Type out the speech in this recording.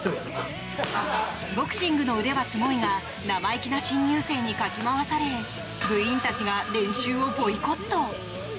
ボクシングの腕はすごいが生意気な新入生にかき回され部員たちが練習をボイコット。